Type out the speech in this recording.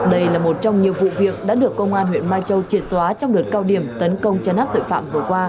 đây là một trong nhiều vụ việc đã được công an huyện mai châu triệt xóa trong đợt cao điểm tấn công chấn áp tội phạm vừa qua